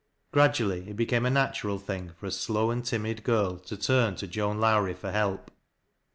Gradually it became a natural thing for a slow and timid girl to turn to Joan Lowrie for help.